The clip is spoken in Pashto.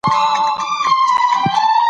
که څه هم نظرونه مختلف دي خو ګډ ژوند کوو.